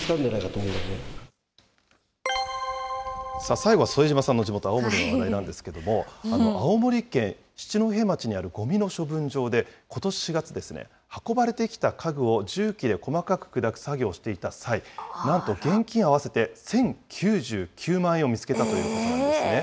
最後は副島さんの地元、青森の話題なんですけれども、青森県七戸町にあるごみの処分場で、ことし４月、運ばれてきた家具を重機で細かく砕く作業をしていた際、なんと現金合わせて１０９９万円を見つけたということなんですね。